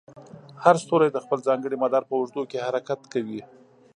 هر ستوری د خپل ځانګړي مدار په اوږدو کې حرکت کوي.